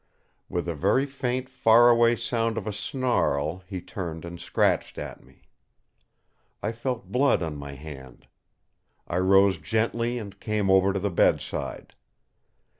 With a very faint far away sound of a snarl he turned and scratched at me. I felt blood on my hand. I rose gently and came over to the bedside.